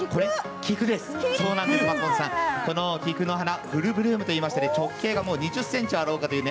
菊です、この菊の花フルブルームといいまして直径が２０ｃｍあろうかという。